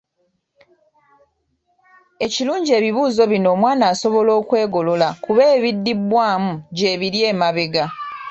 Ekirungi ebibuuzo bino omwana asobola okwegolola kuba ebiddibwamu gyebiri emabega.